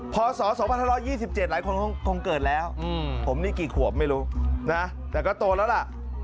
พศ๒๕๒๗หลายคนคงเกิดแล้วผมนี่กี่ขวบไม่รู้นะแต่ก็โตแล้วล่ะ